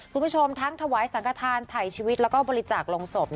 คุณผู้ชมทั้งถวายสังขทานถ่ายชีวิตแล้วก็บริจาคลงศพ